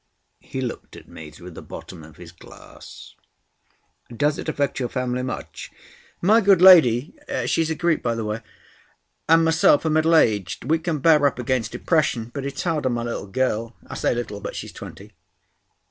He looked at me through the bottom of his glass. "Does it affect your family much?" "My good lady—she's a Greek, by the way—and myself are middle aged. We can bear up against depression; but it's hard on my little girl. I say little; but she's twenty.